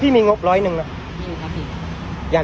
พี่มีงบร้อยหนึ่งนะ